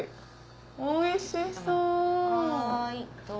おいしそう！